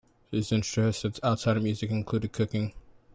His interests outside music include cooking.